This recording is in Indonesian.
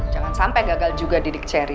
jangan sampai gagal juga didik ceri